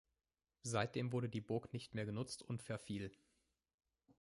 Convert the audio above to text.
Seitdem wurde die Burg nicht mehr genutzt und verfiel.